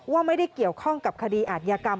ว่าไม่ได้เกี่ยวข้องกับคดีอาทยากรรม